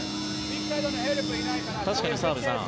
確かに澤部さん